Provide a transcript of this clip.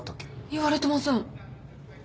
言われてません。